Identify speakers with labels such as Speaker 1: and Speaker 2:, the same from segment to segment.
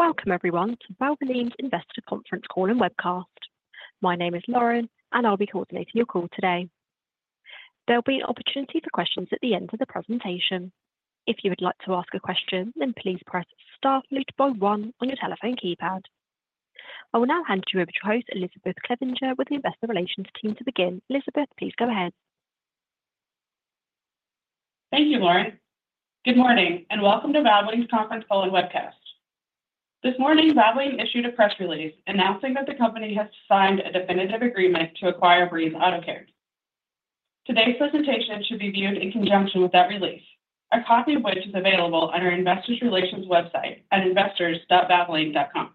Speaker 1: Welcome, everyone, to Valvoline's investor conference call and webcast. My name is Lauren, and I'll be coordinating your call today. There'll be an opportunity for questions at the end of the presentation. If you would like to ask a question, then please press star by one on your telephone keypad. I will now hand you over to host Elizabeth Clevinger with the Investor Relations team to begin. Elizabeth, please go ahead.
Speaker 2: Thank you, Lauren. Good morning, and welcome to Valvoline's conference call and webcast. This morning, Valvoline issued a press release announcing that the company has signed a definitive agreement to acquire Breeze Autocare. Today's presentation should be viewed in conjunction with that release, a copy of which is available on our Investor Relations website at investors.valvoline.com.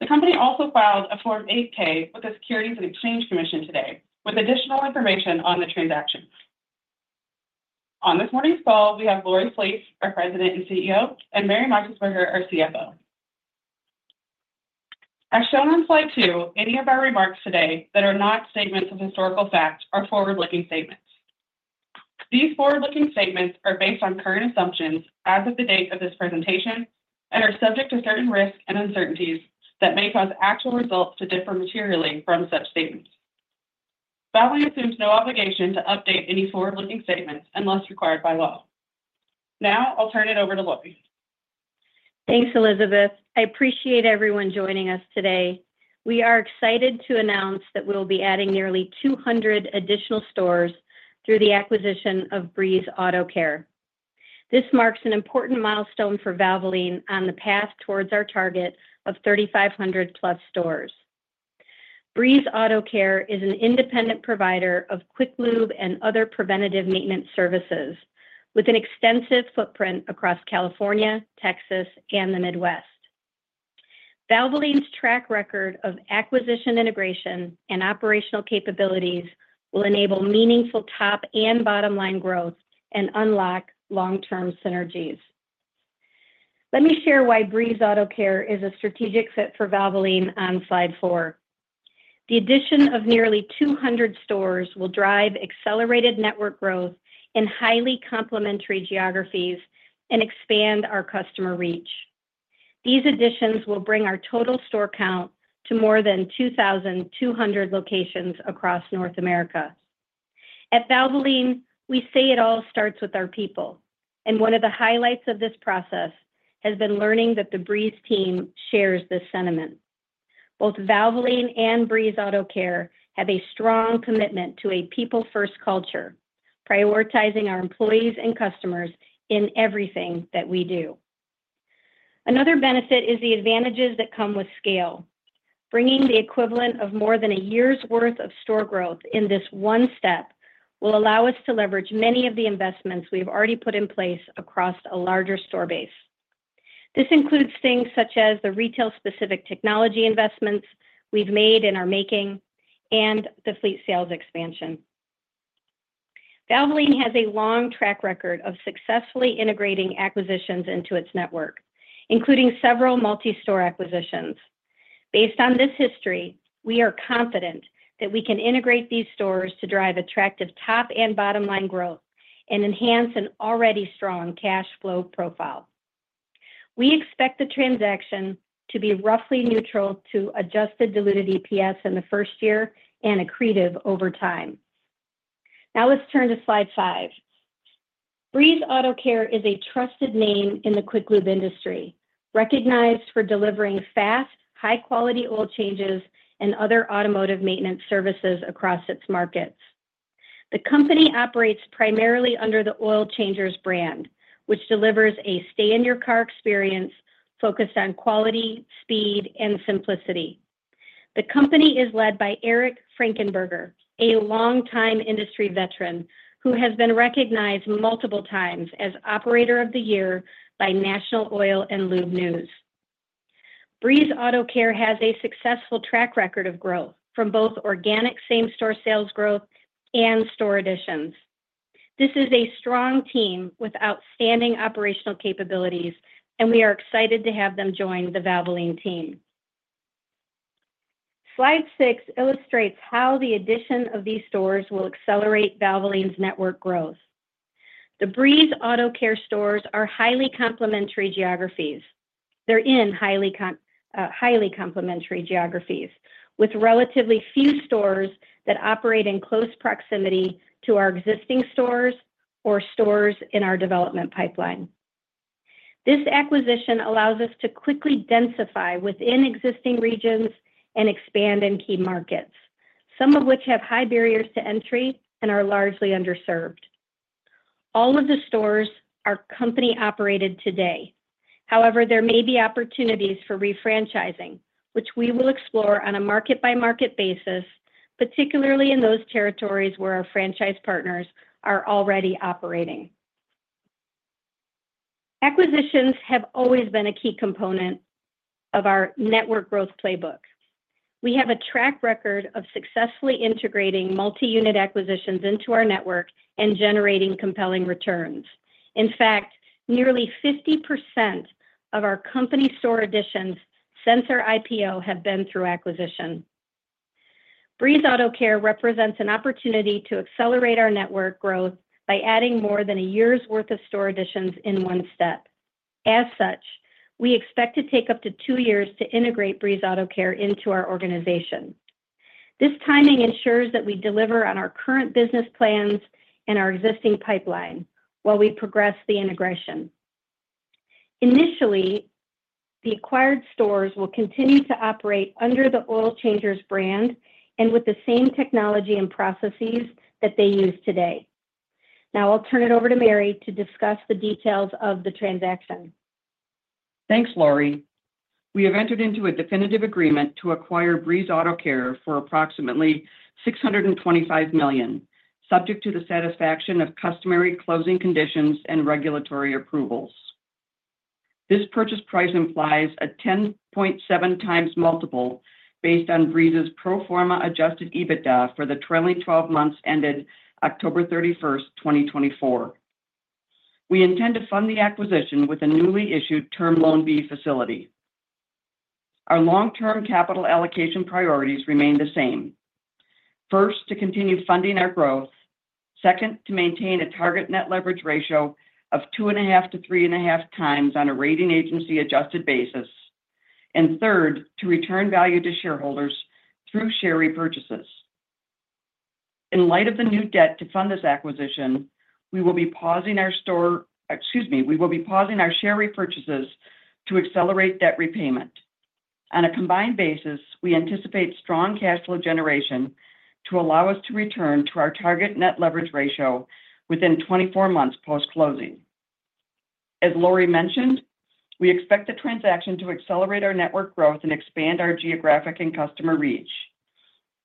Speaker 2: The company also filed a Form 8-K with the Securities and Exchange Commission today, with additional information on the transaction. On this morning's call, we have Lori Flees, our President and CEO, and Mary Meixelsperger, our CFO. As shown on slide two, any of our remarks today that are not statements of historical fact are forward-looking statements. These forward-looking statements are based on current assumptions as of the date of this presentation and are subject to certain risks and uncertainties that may cause actual results to differ materially from such statements. Valvoline assumes no obligation to update any forward-looking statements unless required by law. Now, I'll turn it over to Lori.
Speaker 3: Thanks, Elizabeth. I appreciate everyone joining us today. We are excited to announce that we'll be adding nearly 200 additional stores through the acquisition of Breeze Autocare. This marks an important milestone for Valvoline on the path towards our target of 3,500+ stores. Breeze Autocare is an independent provider of quick lube and other preventative maintenance services, with an extensive footprint across California, Texas, and the Midwest. Valvoline's track record of acquisition integration and operational capabilities will enable meaningful top and bottom-line growth and unlock long-term synergies. Let me share why Breeze Autocare is a strategic fit for Valvoline on slide four. The addition of nearly 200 stores will drive accelerated network growth in highly complementary geographies and expand our customer reach. These additions will bring our total store count to more than 2,200 locations across North America. At Valvoline, we say it all starts with our people, and one of the highlights of this process has been learning that the Breeze team shares this sentiment. Both Valvoline and Breeze Autocare have a strong commitment to a people-first culture, prioritizing our employees and customers in everything that we do. Another benefit is the advantages that come with scale. Bringing the equivalent of more than a year's worth of store growth in this one step will allow us to leverage many of the investments we've already put in place across a larger store base. This includes things such as the retail-specific technology investments we've made and are making, and the fleet sales expansion. Valvoline has a long track record of successfully integrating acquisitions into its network, including several multi-store acquisitions. Based on this history, we are confident that we can integrate these stores to drive attractive top and bottom-line growth and enhance an already strong cash flow profile. We expect the transaction to be roughly neutral to adjusted diluted EPS in the first year and accretive over time. Now, let's turn to slide five. Breeze Autocare is a trusted name in the quick lube industry, recognized for delivering fast, high-quality oil changes and other automotive maintenance services across its markets. The company operates primarily under the Oil Changers brand, which delivers a stay-in-your-car experience focused on quality, speed, and simplicity. The company is led by Eric Frankenberger, a longtime industry veteran who has been recognized multiple times as Operator of the Year by National Oil and Lube News. Breeze Autocare has a successful track record of growth from both organic same-store sales growth and store additions. This is a strong team with outstanding operational capabilities, and we are excited to have them join the Valvoline team. Slide six illustrates how the addition of these stores will accelerate Valvoline's network growth. The Breeze Autocare stores are in highly complementary geographies, with relatively few stores that operate in close proximity to our existing stores or stores in our development pipeline. This acquisition allows us to quickly densify within existing regions and expand in key markets, some of which have high barriers to entry and are largely underserved. All of the stores are company-operated today. However, there may be opportunities for refranchising, which we will explore on a market-by-market basis, particularly in those territories where our franchise partners are already operating. Acquisitions have always been a key component of our network growth playbook. We have a track record of successfully integrating multi-unit acquisitions into our network and generating compelling returns. In fact, nearly 50% of our company store additions since our IPO have been through acquisition. Breeze Autocare represents an opportunity to accelerate our network growth by adding more than a year's worth of store additions in one step. As such, we expect to take up to two years to integrate Breeze Autocare into our organization. This timing ensures that we deliver on our current business plans and our existing pipeline while we progress the integration. Initially, the acquired stores will continue to operate under the Oil Changers brand and with the same technology and processes that they use today. Now, I'll turn it over to Mary to discuss the details of the transaction.
Speaker 4: Thanks, Lori. We have entered into a definitive agreement to acquire Breeze Autocare for approximately $625 million, subject to the satisfaction of customary closing conditions and regulatory approvals. This purchase price implies a 10.7x multiple based on Breeze's pro forma Adjusted EBITDA for the trailing 12 months ended October 31st, 2024. We intend to fund the acquisition with a newly issued Term Loan B facility. Our long-term capital allocation priorities remain the same. First, to continue funding our growth. Second, to maintain a target net leverage ratio of two and a half to three and a half times on a rating agency-adjusted basis. And third, to return value to shareholders through share repurchases. In light of the new debt to fund this acquisition, we will be pausing our store, excuse me, we will be pausing our share repurchases to accelerate debt repayment. On a combined basis, we anticipate strong cash flow generation to allow us to return to our target net leverage ratio within 24 months post-closing. As Lori mentioned, we expect the transaction to accelerate our network growth and expand our geographic and customer reach.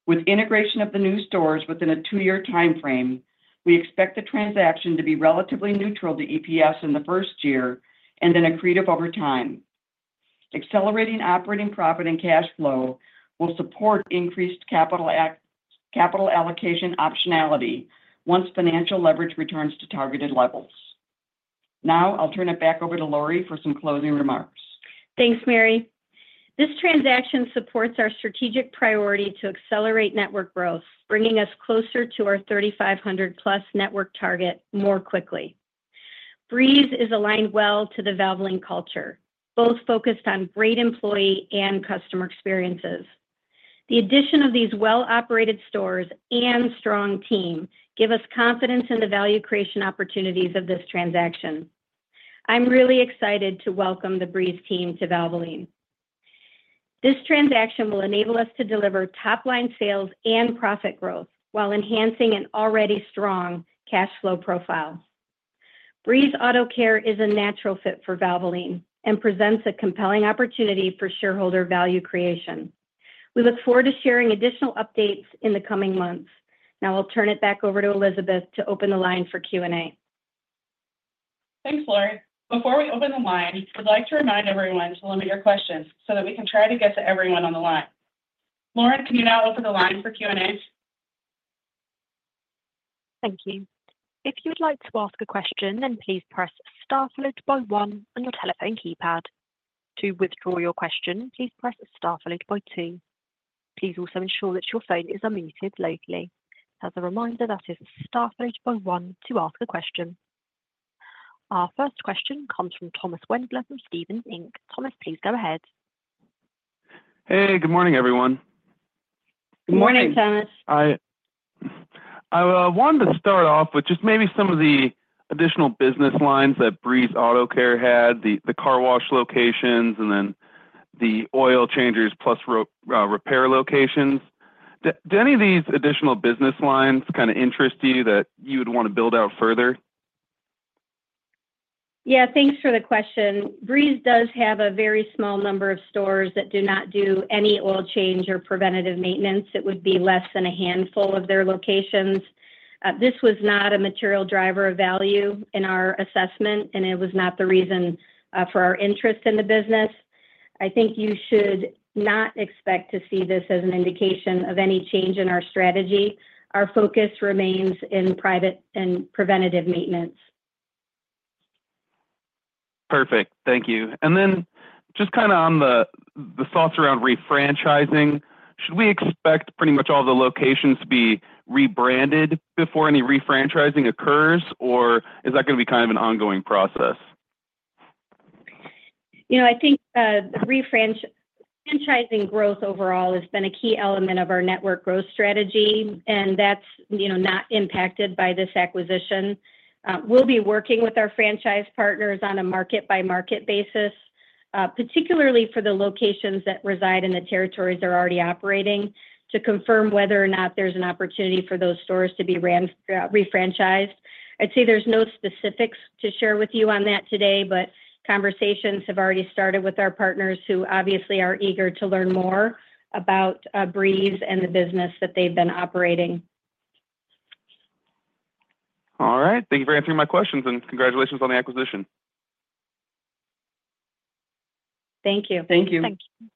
Speaker 4: With integration of the new stores within a two-year timeframe, we expect the transaction to be relatively neutral to EPS in the first year and then accretive over time. Accelerating operating profit and cash flow will support increased capital allocation optionality once financial leverage returns to targeted levels. Now, I'll turn it back over to Lori for some closing remarks.
Speaker 3: Thanks, Mary. This transaction supports our strategic priority to accelerate network growth, bringing us closer to our 3,500+ network target more quickly. Breeze is aligned well to the Valvoline culture, both focused on great employee and customer experiences. The addition of these well-operated stores and strong team gives us confidence in the value creation opportunities of this transaction. I'm really excited to welcome the Breeze team to Valvoline. This transaction will enable us to deliver top-line sales and profit growth while enhancing an already strong cash flow profile. Breeze Autocare is a natural fit for Valvoline and presents a compelling opportunity for shareholder value creation. We look forward to sharing additional updates in the coming months. Now, I'll turn it back over to Elizabeth to open the line for Q&A.
Speaker 2: Thanks, Lori. Before we open the line, we'd like to remind everyone to limit your questions so that we can try to get to everyone on the line. Lori, can you now open the line for Q&A?
Speaker 1: Thank you. If you'd like to ask a question, then please press star by one on your telephone keypad. To withdraw your question, please press star by two. Please also ensure that your phone is unmuted locally. As a reminder, that is star by one to ask a question. Our first question comes from Thomas Wendler from Stephens Inc. Thomas, please go ahead.
Speaker 5: Hey, good morning, everyone.
Speaker 4: Good morning.
Speaker 3: Morning, Thomas.
Speaker 5: I wanted to start off with just maybe some of the additional business lines that Breeze Autocare had, the car wash locations, and then the Oil Changers plus repair locations. Do any of these additional business lines kind of interest you that you would want to build out further?
Speaker 3: Yeah, thanks for the question. Breeze does have a very small number of stores that do not do any oil change or preventative maintenance. It would be less than a handful of their locations. This was not a material driver of value in our assessment, and it was not the reason for our interest in the business. I think you should not expect to see this as an indication of any change in our strategy. Our focus remains in oil and preventative maintenance.
Speaker 5: Perfect. Thank you, and then just kind of on the thoughts around refranchising, should we expect pretty much all the locations to be rebranded before any refranchising occurs, or is that going to be kind of an ongoing process?
Speaker 3: I think the refranchising growth overall has been a key element of our network growth strategy, and that's not impacted by this acquisition. We'll be working with our franchise partners on a market-by-market basis, particularly for the locations that reside in the territories they're already operating, to confirm whether or not there's an opportunity for those stores to be refranchised. I'd say there's no specifics to share with you on that today, but conversations have already started with our partners who obviously are eager to learn more about Breeze and the business that they've been operating.
Speaker 5: All right. Thank you for answering my questions, and congratulations on the acquisition.
Speaker 3: Thank you.
Speaker 4: Thank you.
Speaker 1: Thank you.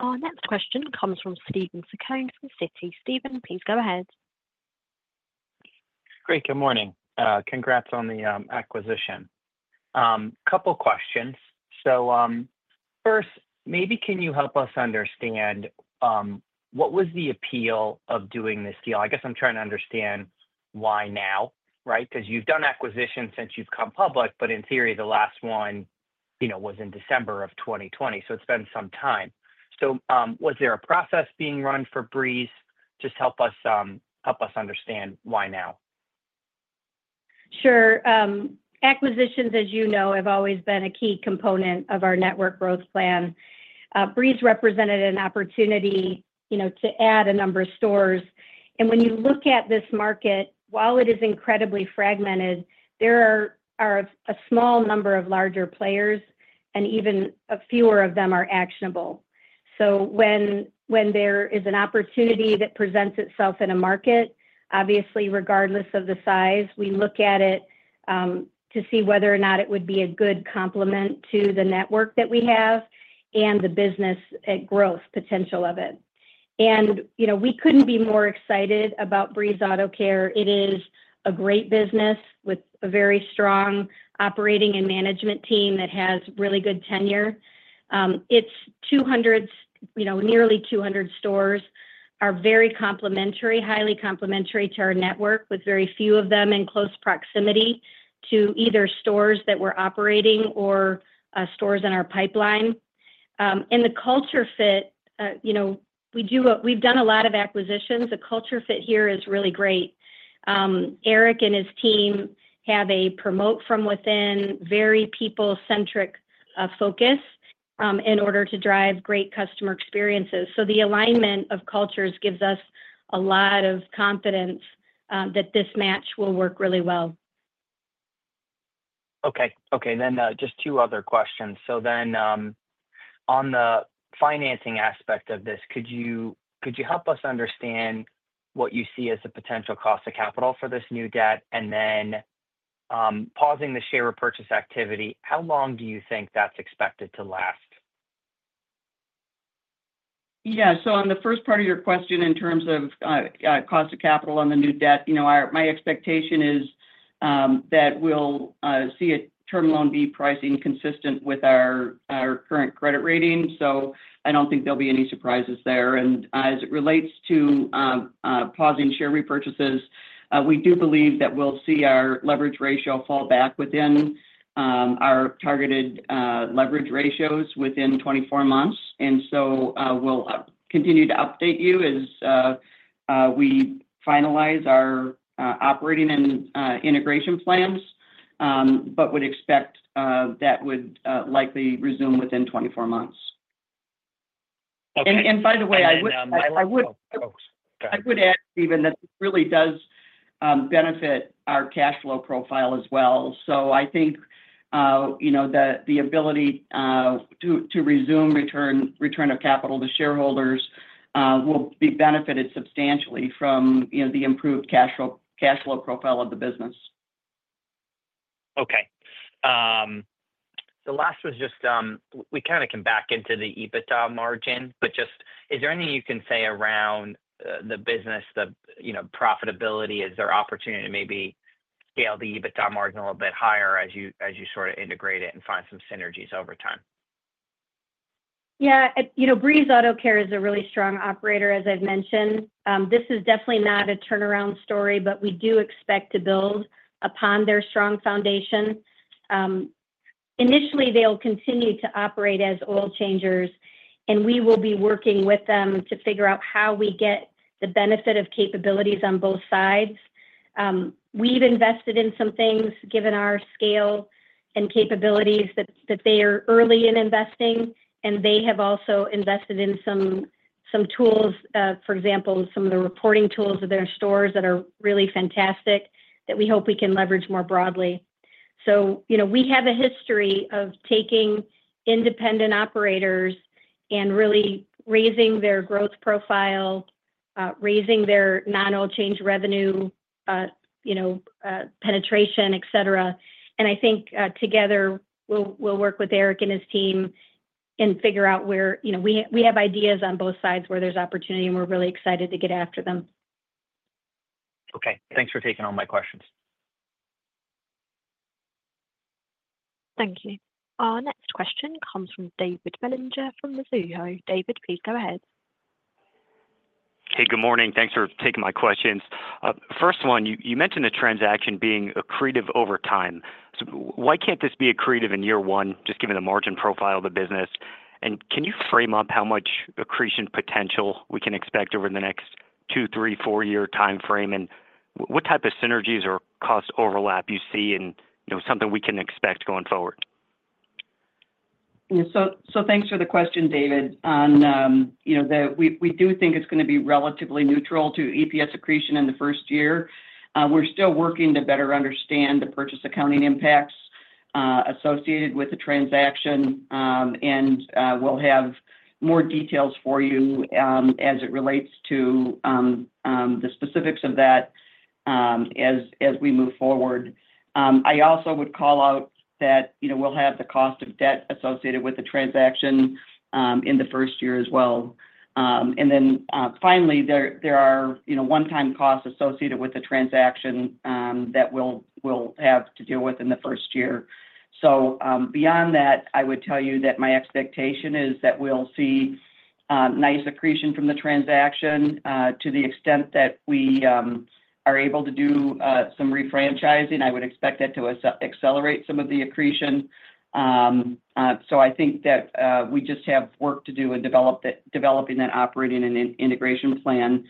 Speaker 1: Our next question comes from Steven Zaccone at Citi. Steven, please go ahead.
Speaker 6: Great. Good morning. Congrats on the acquisition. A couple of questions. So first, maybe can you help us understand what was the appeal of doing this deal? I guess I'm trying to understand why now, right? Because you've done acquisitions since you've come public, but in theory, the last one was in December of 2020, so it's been some time. So was there a process being run for Breeze? Just help us understand why now.
Speaker 3: Sure. Acquisitions, as you know, have always been a key component of our network growth plan. Breeze represented an opportunity to add a number of stores, and when you look at this market, while it is incredibly fragmented, there are a small number of larger players, and even fewer of them are actionable, so when there is an opportunity that presents itself in a market, obviously, regardless of the size, we look at it to see whether or not it would be a good complement to the network that we have and the business growth potential of it, and we couldn't be more excited about Breeze Autocare. It is a great business with a very strong operating and management team that has really good tenure. Nearly 200 stores are very complementary, highly complementary to our network, with very few of them in close proximity to our stores that we're operating or stores in our pipeline. And the culture fit, we've done a lot of acquisitions. The culture fit here is really great. Eric and his team have a promote-from-within very people-centric focus in order to drive great customer experiences. So the alignment of cultures gives us a lot of confidence that this match will work really well.
Speaker 6: Okay. Okay. Then just two other questions. So then on the financing aspect of this, could you help us understand what you see as the potential cost of capital for this new debt? And then pausing the share repurchase activity, how long do you think that's expected to last?
Speaker 4: Yeah. So on the first part of your question in terms of cost of capital on the new debt, my expectation is that we'll see a Term Loan B pricing consistent with our current credit rating. So I don't think there'll be any surprises there. And as it relates to pausing share repurchases, we do believe that we'll see our leverage ratio fall back within our targeted leverage ratios within 24 months. And so we'll continue to update you as we finalize our operating and integration plans, but would expect that would likely resume within 24 months. And by the way, I would add, Steven, that this really does benefit our cash flow profile as well. So I think the ability to resume return of capital to shareholders will be benefited substantially from the improved cash flow profile of the business.
Speaker 6: Okay. The last was just we kind of can back into the EBITDA margin, but just, is there anything you can say around the business, the profitability? Is there an opportunity to maybe scale the EBITDA margin a little bit higher as you sort of integrate it and find some synergies over time?
Speaker 3: Yeah. Breeze Autocare is a really strong operator, as I've mentioned. This is definitely not a turnaround story, but we do expect to build upon their strong foundation. Initially, they'll continue to operate as Oil Changers, and we will be working with them to figure out how we get the benefit of capabilities on both sides. We've invested in some things, given our scale and capabilities, that they are early in investing, and they have also invested in some tools, for example, some of the reporting tools of their stores that are really fantastic that we hope we can leverage more broadly. So we have a history of taking independent operators and really raising their growth profile, raising their non-oil change revenue penetration, etc. I think together, we'll work with Eric and his team and figure out where we have ideas on both sides where there's opportunity, and we're really excited to get after them.
Speaker 6: Okay. Thanks for taking all my questions.
Speaker 1: Thank you. Our next question comes from David Bellinger from Mizuho. David, please go ahead.
Speaker 7: Hey, good morning. Thanks for taking my questions. First one, you mentioned the transaction being accretive over time. So why can't this be accretive in year one, just given the margin profile of the business? And can you frame up how much accretion potential we can expect over the next two, three, four-year timeframe? And what type of synergies or cost overlap you see in something we can expect going forward?
Speaker 4: Yeah. So thanks for the question, David. We do think it's going to be relatively neutral to EPS accretion in the first year. We're still working to better understand the purchase accounting impacts associated with the transaction, and we'll have more details for you as it relates to the specifics of that as we move forward. I also would call out that we'll have the cost of debt associated with the transaction in the first year as well. And then finally, there are one-time costs associated with the transaction that we'll have to deal with in the first year. So beyond that, I would tell you that my expectation is that we'll see nice accretion from the transaction to the extent that we are able to do some refranchising. I would expect that to accelerate some of the accretion. I think that we just have work to do in developing that operating and integration plan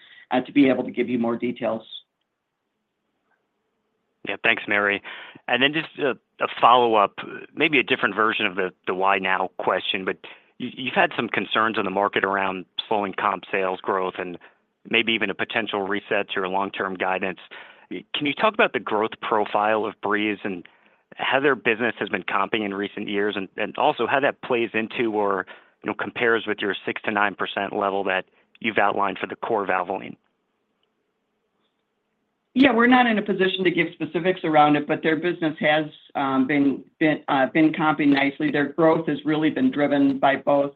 Speaker 4: to be able to give you more details.
Speaker 7: Yeah. Thanks, Mary. And then just a follow-up, maybe a different version of the why now question, but you've had some concerns in the market around slowing comp sales growth and maybe even a potential reset to your long-term guidance. Can you talk about the growth profile of Breeze and how their business has been comping in recent years and also how that plays into or compares with your 6%-9% level that you've outlined for the core Valvoline?
Speaker 4: Yeah. We're not in a position to give specifics around it, but their business has been comping nicely. Their growth has really been driven by both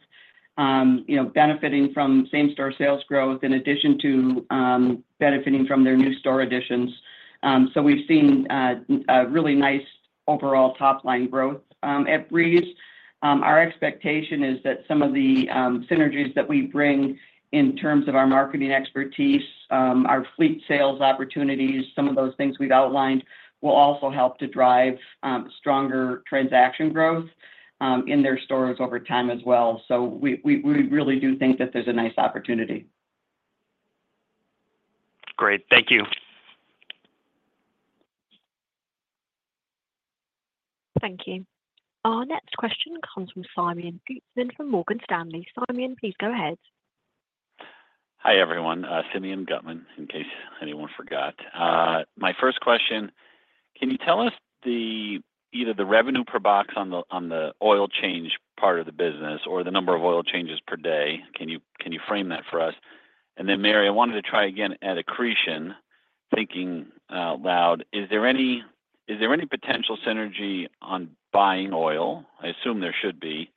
Speaker 4: benefiting from same-store sales growth in addition to benefiting from their new store additions. So we've seen a really nice overall top-line growth at Breeze. Our expectation is that some of the synergies that we bring in terms of our marketing expertise, our fleet sales opportunities, some of those things we've outlined will also help to drive stronger transaction growth in their stores over time as well. So we really do think that there's a nice opportunity.
Speaker 7: Great. Thank you.
Speaker 1: Thank you. Our next question comes from Simeon Gutman from Morgan Stanley. Simeon, please go ahead.
Speaker 8: Hi, everyone. Simeon Gutman, in case anyone forgot. My first question, can you tell us either the revenue per box on the oil change part of the business or the number of oil changes per day? Can you frame that for us? And then, Mary, I wanted to try again at accretion, thinking out loud, is there any potential synergy on buying oil? I assume there should be.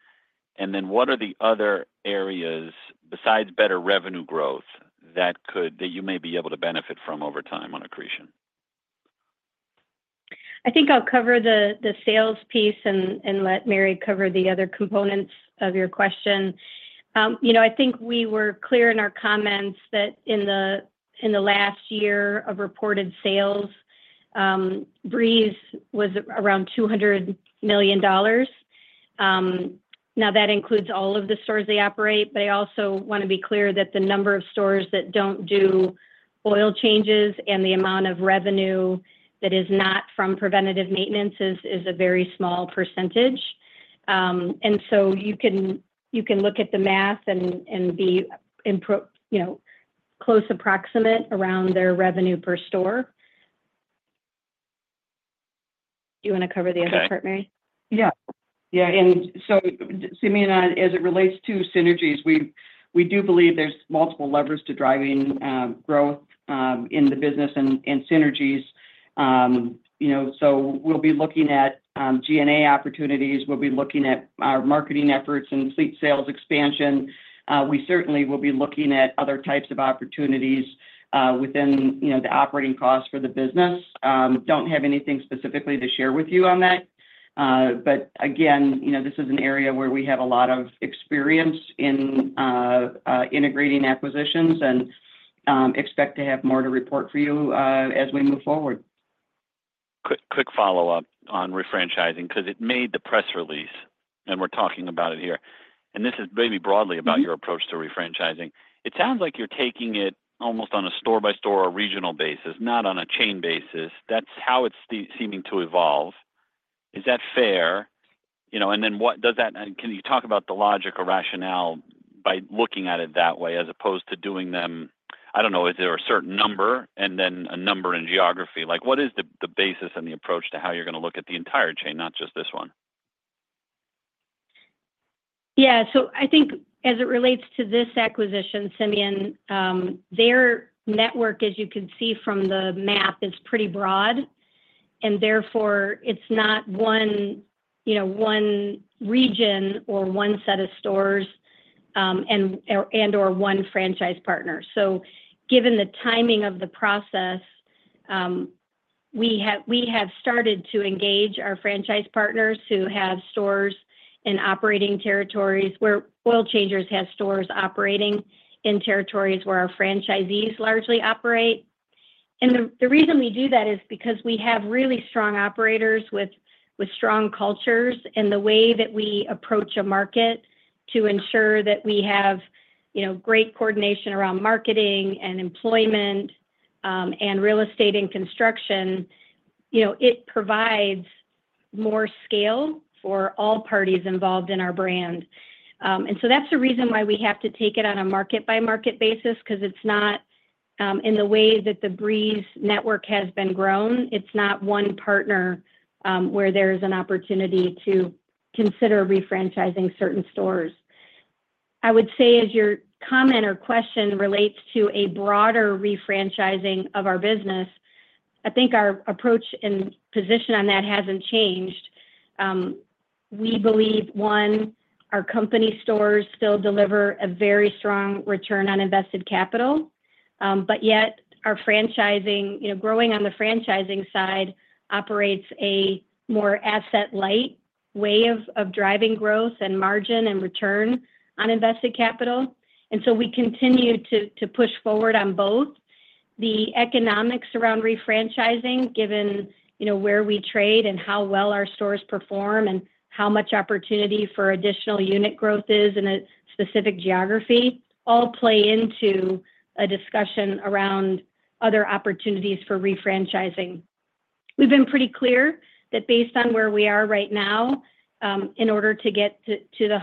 Speaker 8: And then what are the other areas besides better revenue growth that you may be able to benefit from over time on accretion?
Speaker 3: I think I'll cover the sales piece and let Mary cover the other components of your question. I think we were clear in our comments that in the last year of reported sales, Breeze was around $200 million. Now, that includes all of the stores they operate, but I also want to be clear that the number of stores that don't do oil changes and the amount of revenue that is not from preventative maintenance is a very small percentage. And so you can look at the math and be close approximate around their revenue per store. Do you want to cover the other part, Mary?
Speaker 4: Yeah. Yeah. And so, Simeon, as it relates to synergies, we do believe there's multiple levers to driving growth in the business and synergies. So we'll be looking at G&A opportunities. We'll be looking at our marketing efforts and fleet sales expansion. We certainly will be looking at other types of opportunities within the operating costs for the business. Don't have anything specifically to share with you on that. But again, this is an area where we have a lot of experience in integrating acquisitions and expect to have more to report for you as we move forward.
Speaker 8: Quick follow-up on refranchising because it made the press release, and we're talking about it here. And this is maybe broadly about your approach to refranchising. It sounds like you're taking it almost on a store-by-store or regional basis, not on a chain basis. That's how it's seeming to evolve. Is that fair? And then can you talk about the logic or rationale by looking at it that way as opposed to doing them? I don't know. Is there a certain number and then a number in geography? What is the basis and the approach to how you're going to look at the entire chain, not just this one?
Speaker 3: Yeah. So I think as it relates to this acquisition, Simeon, their network, as you can see from the map, is pretty broad. And therefore, it's not one region or one set of stores and/or one franchise partner. So given the timing of the process, we have started to engage our franchise partners who have stores in operating territories where Oil changers have stores operating in territories where our franchisees largely operate. And the reason we do that is because we have really strong operators with strong cultures and the way that we approach a market to ensure that we have great coordination around marketing and employment and real estate and construction, it provides more scale for all parties involved in our brand. And so that's the reason why we have to take it on a market-by-market basis because it's not in the way that the Breeze network has been grown. It's not one partner where there is an opportunity to consider refranchising certain stores. I would say as your comment or question relates to a broader refranchising of our business, I think our approach and position on that hasn't changed. We believe, one, our company stores still deliver a very strong return on invested capital, but yet growing on the franchising side operates a more asset-light way of driving growth and margin and return on invested capital. And so we continue to push forward on both. The economics around refranchising, given where we trade and how well our stores perform and how much opportunity for additional unit growth is in a specific geography, all play into a discussion around other opportunities for refranchising. We've been pretty clear that based on where we are right now, in order to get to the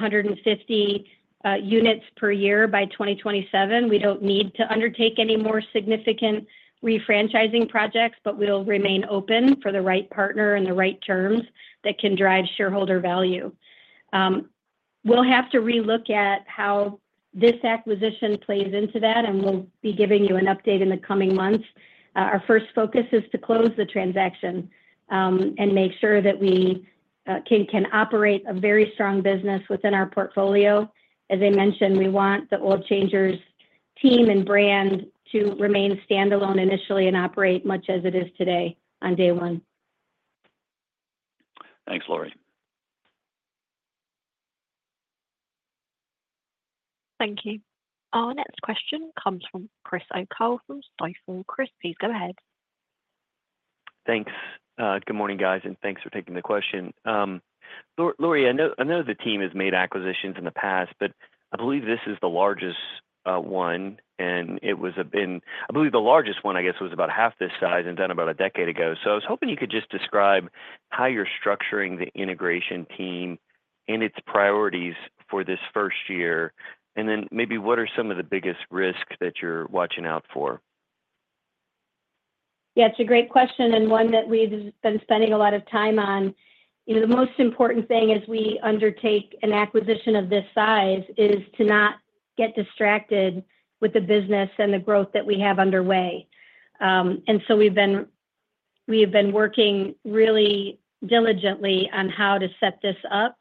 Speaker 3: 150 units per year by 2027, we don't need to undertake any more significant refranchising projects, but we'll remain open for the right partner and the right terms that can drive shareholder value. We'll have to relook at how this acquisition plays into that, and we'll be giving you an update in the coming months. Our first focus is to close the transaction and make sure that we can operate a very strong business within our portfolio. As I mentioned, we want the Oil Changers team and brand to remain standalone initially and operate much as it is today on day one.
Speaker 8: Thanks, Lori.
Speaker 1: Thank you. Our next question comes from Chris O'Cull from Stifel. Chris, please go ahead.
Speaker 9: Thanks. Good morning, guys, and thanks for taking the question. Lori, I know the team has made acquisitions in the past, but I believe this is the largest one, I believe the largest one, I guess, was about half this size and done about a decade ago, so I was hoping you could just describe how you're structuring the integration team and its priorities for this first year, and then maybe what are some of the biggest risks that you're watching out for?
Speaker 3: Yeah. It's a great question and one that we've been spending a lot of time on. The most important thing as we undertake an acquisition of this size is to not get distracted with the business and the growth that we have underway. And so we've been working really diligently on how to set this up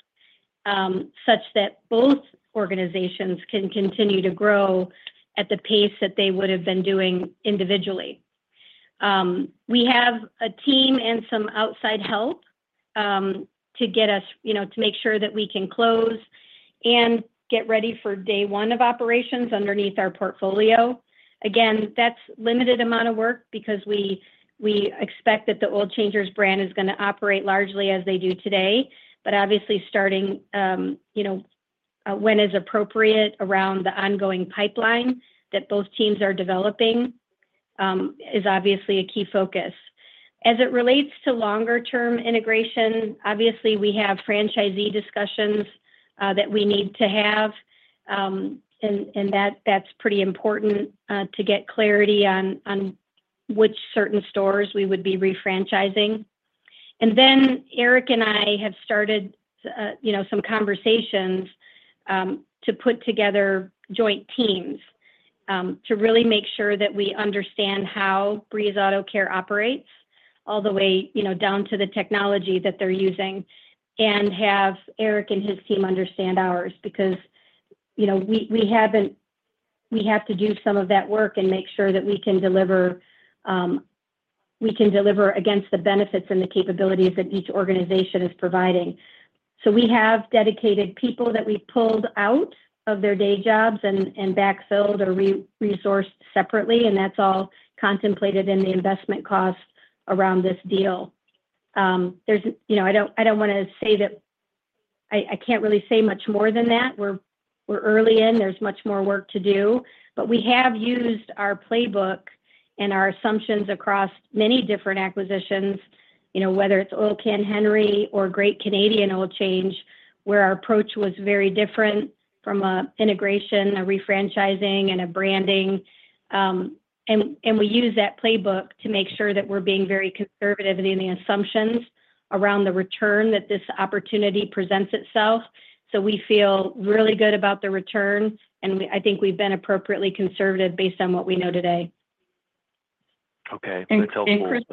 Speaker 3: such that both organizations can continue to grow at the pace that they would have been doing individually. We have a team and some outside help to get us to make sure that we can close and get ready for day one of operations underneath our portfolio. Again, that's a limited amount of work because we expect that the Oil Changers brand is going to operate largely as they do today. But obviously, starting when it's appropriate around the ongoing pipeline that both teams are developing is obviously a key focus. As it relates to longer-term integration, obviously, we have franchisee discussions that we need to have, and that's pretty important to get clarity on which certain stores we would be refranchising, and then Eric and I have started some conversations to put together joint teams to really make sure that we understand how Breeze Autocare operates all the way down to the technology that they're using and have Eric and his team understand ours because we have to do some of that work and make sure that we can deliver against the benefits and the capabilities that each organization is providing. So we have dedicated people that we pulled out of their day jobs and backfilled or resourced separately, and that's all contemplated in the investment costs around this deal. I don't want to say that I can't really say much more than that. We're early in. There's much more work to do. But we have used our playbook and our assumptions across many different acquisitions, whether it's Oil Can Henry's or Great Canadian Oil Change, where our approach was very different from an integration, a refranchising, and a branding. And we use that playbook to make sure that we're being very conservative in the assumptions around the return that this opportunity presents itself. So we feel really good about the return, and I think we've been appropriately conservative based on what we know today.
Speaker 9: Okay. That's helpful, and then.
Speaker 3: And Chris.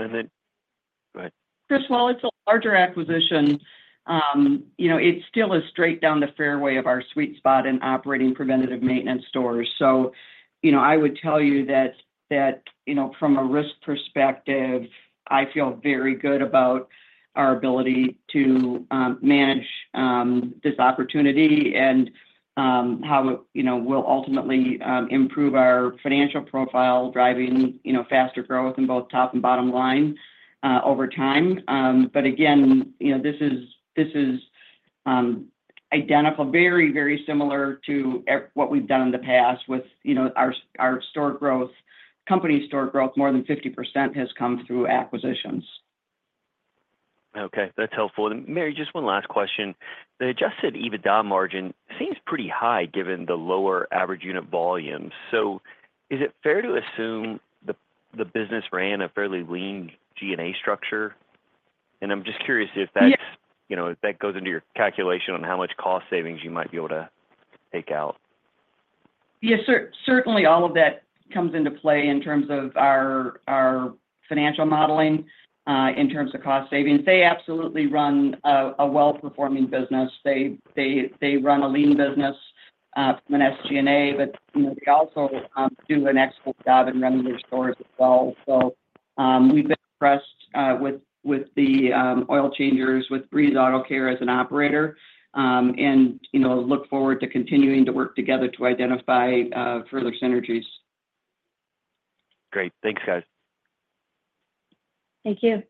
Speaker 9: Go ahead.
Speaker 4: Chris, while it's a larger acquisition, it's still a straight down the fairway of our sweet spot in operating preventative maintenance stores. So I would tell you that from a risk perspective, I feel very good about our ability to manage this opportunity and how it will ultimately improve our financial profile, driving faster growth in both top and bottom line over time. But again, this is identical, very, very similar to what we've done in the past with our store growth. Company store growth, more than 50% has come through acquisitions.
Speaker 9: Okay. That's helpful. And Mary, just one last question. They just said EBITDA margin seems pretty high given the lower average unit volumes. So is it fair to assume the business ran a fairly lean G&A structure? And I'm just curious if that goes into your calculation on how much cost savings you might be able to take out.
Speaker 4: Yes, certainly all of that comes into play in terms of our financial modeling in terms of cost savings. They absolutely run a well-performing business. They run a lean business from an SG&A, but they also do an excellent job in running their stores as well, so we've been impressed with the Oil Changers, with Breeze Autocare as an operator, and look forward to continuing to work together to identify further synergies.
Speaker 9: Great. Thanks, guys.
Speaker 3: Thank you.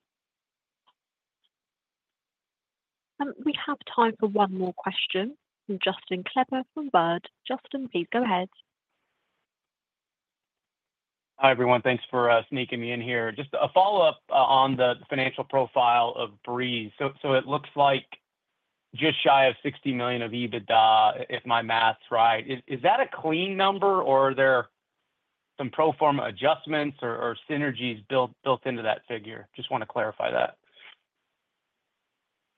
Speaker 1: We have time for one more question from Justin Kleber from Baird. Justin, please go ahead.
Speaker 10: Hi, everyone. Thanks for sneaking me in here. Just a follow-up on the financial profile of Breeze. So it looks like just shy of $60 million of EBITDA if my math's right. Is that a clean number, or are there some pro forma adjustments or synergies built into that figure? Just want to clarify that.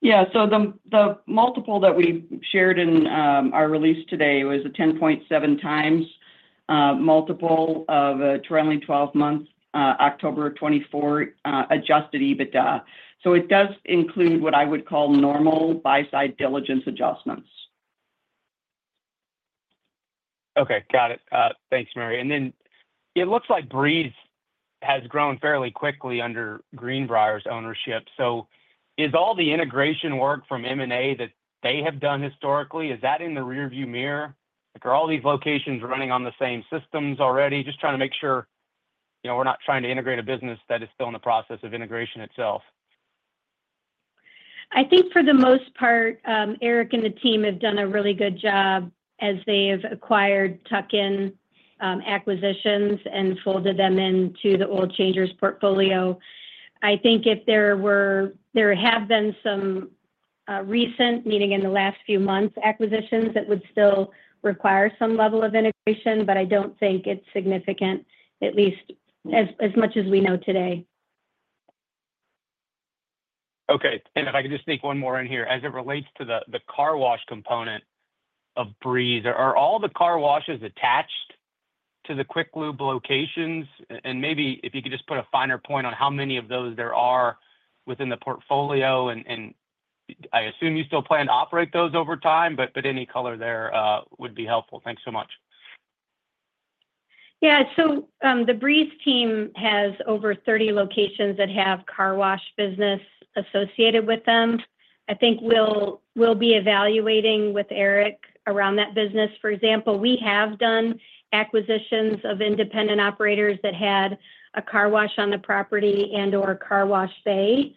Speaker 4: Yeah. So the multiple that we shared in our release today was a 10.7x multiple of a trailing 12-month October 2024 Adjusted EBITDA. So it does include what I would call normal buy-side diligence adjustments.
Speaker 10: Okay. Got it. Thanks, Mary. And then it looks like Breeze has grown fairly quickly under Greenbriar's ownership. So is all the integration work from M&A that they have done historically, is that in the rearview mirror? Are all these locations running on the same systems already? Just trying to make sure we're not trying to integrate a business that is still in the process of integration itself.
Speaker 3: I think for the most part, Eric and the team have done a really good job as they have acquired tuck-in acquisitions and folded them into the Oil Changers portfolio. I think if there have been some recent, meaning in the last few months, acquisitions that would still require some level of integration, but I don't think it's significant, at least as much as we know today.
Speaker 10: Okay. And if I can just sneak one more in here, as it relates to the car wash component of Breeze, are all the car washes attached to the quick lube locations? And maybe if you could just put a finer point on how many of those there are within the portfolio. And I assume you still plan to operate those over time, but any color there would be helpful. Thanks so much.
Speaker 3: Yeah. So the Breeze team has over 30 locations that have car wash business associated with them. I think we'll be evaluating with Eric around that business. For example, we have done acquisitions of independent operators that had a car wash on the property and/or a car wash bay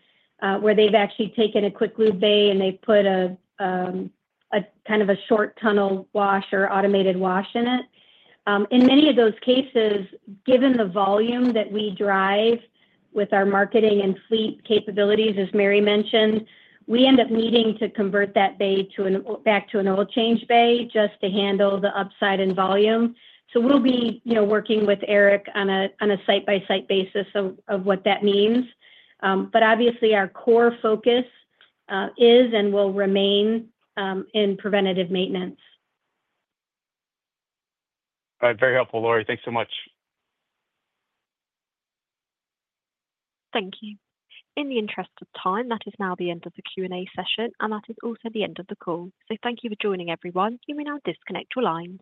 Speaker 3: where they've actually taken a quick lube bay and they've put a kind of a short tunnel wash or automated wash in it. In many of those cases, given the volume that we drive with our marketing and fleet capabilities, as Mary mentioned, we end up needing to convert that bay back to an oil change bay just to handle the upside in volume. So we'll be working with Eric on a site-by-site basis of what that means. But obviously, our core focus is and will remain in preventative maintenance.
Speaker 10: All right. Very helpful, Lori. Thanks so much.
Speaker 1: Thank you. In the interest of time, that is now the end of the Q&A session, and that is also the end of the call. So thank you for joining, everyone. You may now disconnect your lines.